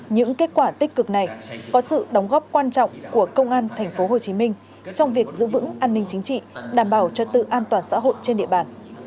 những kết quả tích cực này có sự đóng góp quan trọng của công an tp hcm trong việc giữ vững an ninh chính trị đảm bảo cho tự an toàn xã hội trên địa bàn